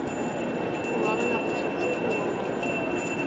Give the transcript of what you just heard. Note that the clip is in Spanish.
Jugaba en la posición de Guardameta.